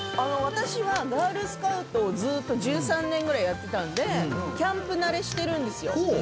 私はガールスカウトをずーっと１３年ぐらいやってたんでキャンプ慣れしてるんですよ。